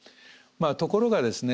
ところがですね